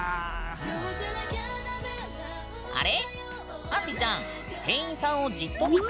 あれ？